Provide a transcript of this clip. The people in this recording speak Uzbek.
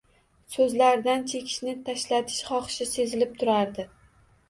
So'zlaridan chekishni tashlatish xoxishi sezilib turardi.